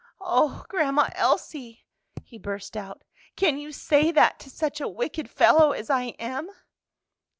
"O Grandma Elsie!" he burst out, "can you say that to such a wicked fellow as I am?"